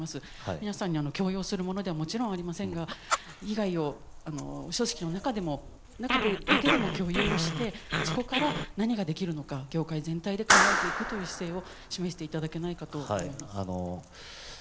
皆さんに強要するものではもちろんありませんが、被害を組織の中でだけでも、共有をして、そこから何ができるのか、業界全体で考えていくという姿勢を示していただけないかと思います。